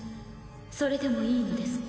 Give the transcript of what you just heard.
それでもいいのですか？